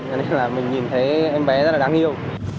cho nên là mình nhìn thấy em bé rất là đáng yêu